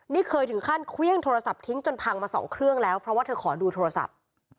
นี่เคยถึงขั้นเครื่องโทรศัพท์ทิ้งจนพังมาสองเครื่องแล้วเพราะว่าเธอขอดูโทรศัพท์